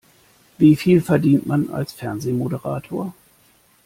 Wie viel verdient man als Fernsehmoderator?